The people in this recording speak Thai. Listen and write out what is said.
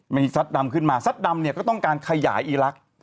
มีซัดดำขึ้นมาซัดดำเนี่ยก็ต้องการขยายอีลักษณ์